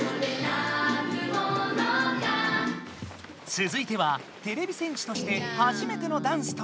つづいてはてれび戦士としてはじめてのダンスとなるリラ。